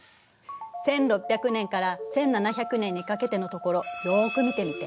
１６００年から１７００年にかけてのところよく見てみて。